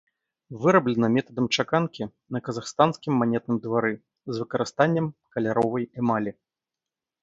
Выраблена метадам чаканкі на казахстанскім манетным двары з выкарыстаннем каляровай эмалі.